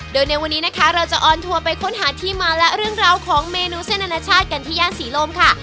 โดยในวันนี้นะคะเราจะออนทัวร์ไปค้นหาที่มาและเรื่องราวของเมนูเส้นอนาชาติกันที่ย่านศรีลมค่ะ